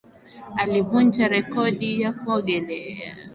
Alivunja rekodi ya kuogelea